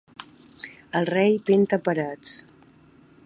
El rei pinta parets.